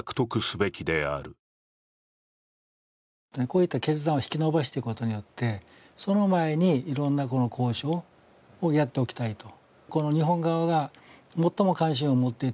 こういった決断を引き伸ばしていくことによって、その前にいろいろな交渉をやっておきたいと。